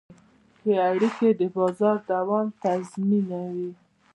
ښه اړیکې د بازار دوام تضمینوي.